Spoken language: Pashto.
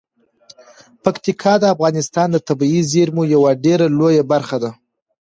پکتیکا د افغانستان د طبیعي زیرمو یوه ډیره لویه برخه ده.